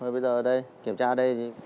bây giờ đây kiểm tra đây